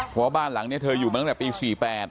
เพราะว่าบ้านหลังนี้เธออยู่มาตั้งแต่ปี๔๘